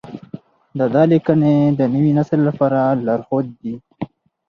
د ده لیکنې د نوي نسل لپاره لارښود دي.